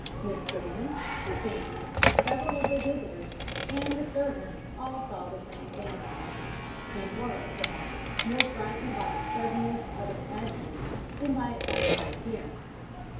Miss Prettyman, her family, several of their visitors, and the servants all saw the same phantasm, and were, perhaps, more frightened by the suddenness of its advent than by its actual appearance.